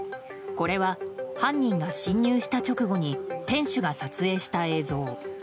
これは犯人が侵入した直後に店主が撮影した映像。